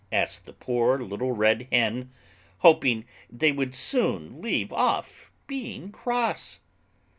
asked the poor little Red Hen, hoping they would soon leave off being cross.